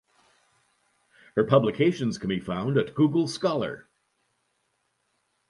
Her publications can be found at Google Scholar.